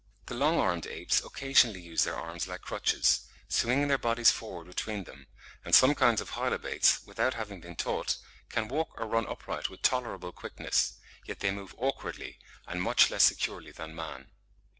The long armed apes occasionally use their arms like crutches, swinging their bodies forward between them, and some kinds of Hylobates, without having been taught, can walk or run upright with tolerable quickness; yet they move awkwardly, and much less securely than man.